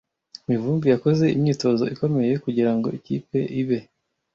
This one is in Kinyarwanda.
Mivumbi yakoze imyitozo ikomeye kugirango ikipe ibe.